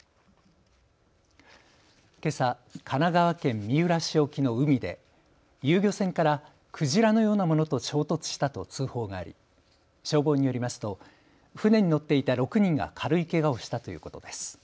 けさ神奈川県三浦市沖の海で遊漁船からクジラのようなものと衝突したと通報があり消防によりますと船に乗っていた６人が軽いけがをしたということです。